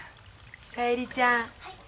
小百合ちゃん